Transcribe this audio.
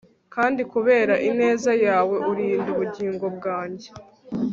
kandi kubera ineza yawe, urinda ubugingo bwanjye